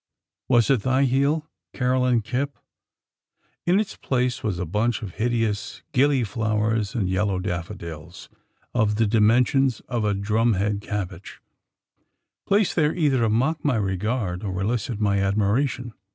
Was it thy heel, Caroline Kipp? In its place was a bunch of hideous gilly flowers and yellow daffodils, of the dimensions of a drum head cabbage placed there either to mock my regard, or elicit my admiration!